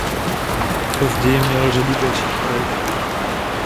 Později měl řadu dalších projektů.